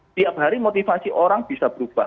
setiap hari motivasi orang bisa berubah